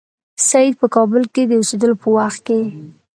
سید په کابل کې د اوسېدلو په وخت کې.